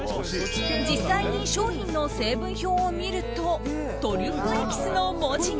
実際に商品の成分表を見るとトリュフエキスの文字が。